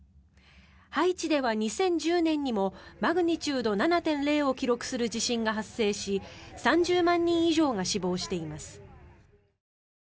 ハイチでは２０１０年にもマグニチュード７．０を記録する地震が発生し３０万人以上が死亡しています。